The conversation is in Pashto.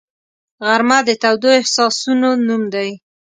غرمه د تودو احساسونو نوم دی